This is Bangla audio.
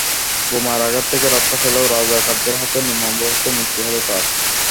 বোমার আঘাত থেকে রক্ষা পেলেও রাজাকারদের হাতে নির্মমভাবে মৃত্যু হলো তাঁর।